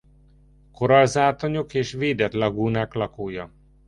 Korallzátonyok és védett lagúnák lakója.